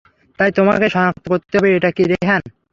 তাই তোমাকেই সনাক্ত করতে হবে, এটা কি রেহান?